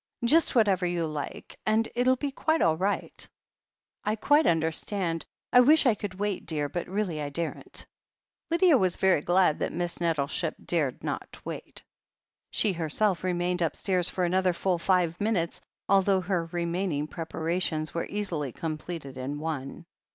"Just whatever you like, and it'll be quite all right i86 THE HEEL OF ACHILLES I quite understand. I wish I could wait, dear, but really I daren't. ..." Lydia was very glad that Miss Nettleship dared not wait. She herself remained upstairs for another full five minutes, although her remaining preparations were easily completed in one.